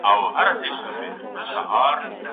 په دې نکاح کي هیڅ زیان نسته.